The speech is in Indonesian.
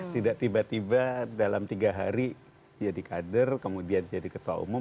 tidak tiba tiba dalam tiga hari jadi kader kemudian jadi ketua umum